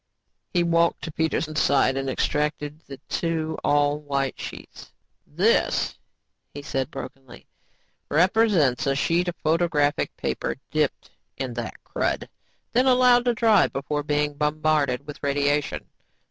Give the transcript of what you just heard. He walked to Peterson's side and extracted the two all white sheets. "This," he said brokenly, "represents a sheet of photographic paper dipped in that crud and then allowed to dry before being bombarded with radiation.